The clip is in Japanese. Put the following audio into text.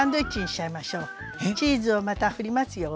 チーズをまた振りますよ。